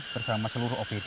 bersama seluruh opd